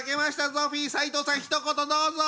ゾフィーサイトウさんひと言どうぞ！